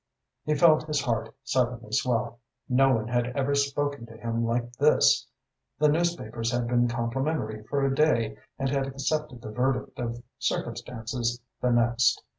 He felt his heart suddenly swell. No one had ever spoken to him like this. The newspapers had been complimentary for a day and had accepted the verdict of circumstances the next.